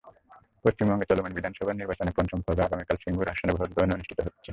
পশ্চিমবঙ্গে চলমান বিধানসভার নির্বাচনে পঞ্চম পর্বে আগামীকাল সিঙ্গুর আসনে ভোট গ্রহণ অনুষ্ঠিত হচ্ছে।